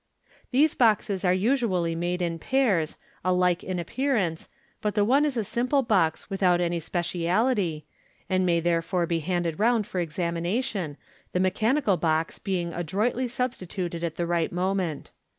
These boxes are usually made in pairs, alike in appearance, but the one is a simple box without any speciality, and may therefore be handed round for examination, the mechanical box being adroitly substituted at the right moment.